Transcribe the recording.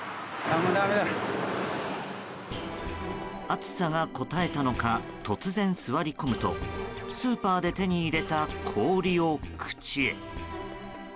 暑さがこたえたのか突然、座り込むとスーパーで手に入れた無料の氷を口へ。